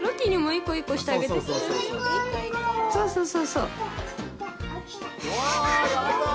そうそうそうそう・